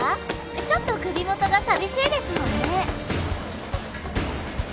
ちょっと首元が寂しいですもんね」